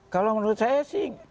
kalau menurut saya sih